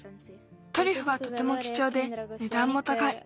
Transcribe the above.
トリュフはとてもきちょうでねだんもたかい。